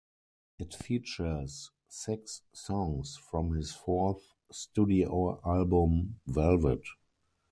It features six songs from his fourth studio album "Velvet".